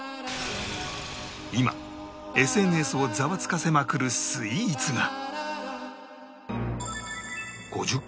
今 ＳＮＳ をザワつかせまくるスイーツが